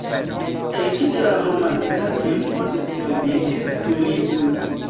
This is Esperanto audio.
Ekde la romantika tempo disvolviĝis turismo.